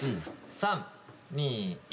３２１。